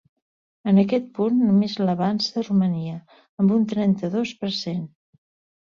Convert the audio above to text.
En aquest punt només l’avança Romania, amb un trenta-dos per cent.